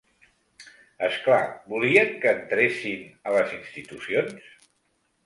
És clar, volien que entressin a les institucions?